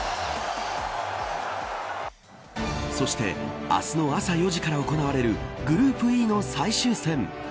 そして明日の朝４時から行われるグループＥの最終戦。